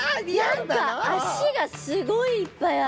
何か脚がすごいいっぱいある。